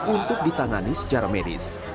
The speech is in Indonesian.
untuk ditangani secara medis